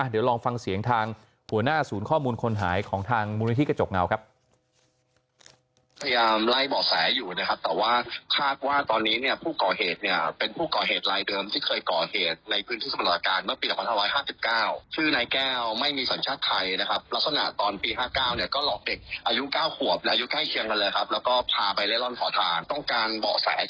เดี๋ยวลองฟังเสียงทางหัวหน้าศูนย์ข้อมูลคนหายของทางมูลนิธิกระจกเงาครับ